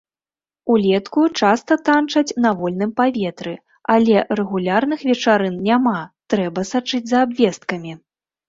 Улетку часта танчаць на вольным паветры, але рэгулярных вечарын няма, трэба сачыць за абвесткамі.